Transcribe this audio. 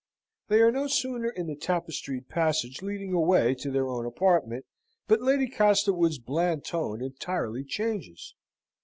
They are no sooner in the tapestried passage leading away to their own apartment, but Lady Castlewood's bland tone entirely changes.